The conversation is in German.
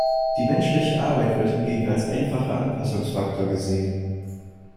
Die menschliche Arbeit wird hingegen als einfacher Anpassungsfaktor gesehen.